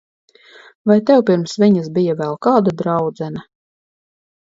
Vai tev pirms viņas bija vēl kāda draudzene?